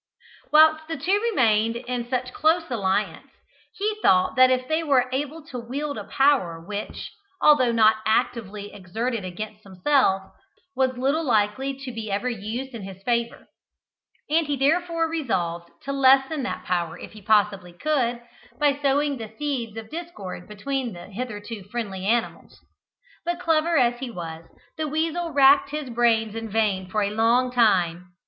Whilst the two remained in such close alliance, he thought that they were able to wield a power which, although not actively exerted against himself, was little likely to be ever used in his favour; and he therefore resolved to lessen that power if he possibly could, by sowing the seeds of discord between the hitherto friendly animals. But clever as he was, the weasel racked his brains in vain for a long time.